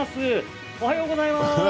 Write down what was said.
おはようございます。